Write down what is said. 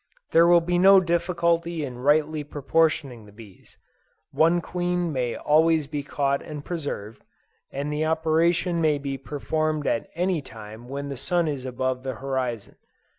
There will be no difficulty in rightly proportioning the bees; one queen may always be caught and preserved, and the operation may be performed at any time when the sun is above the horizon.